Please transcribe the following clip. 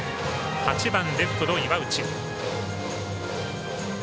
８番、レフトの岩内。